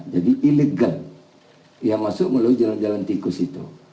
jadi ilegal yang masuk melalui jalan jalan tikus itu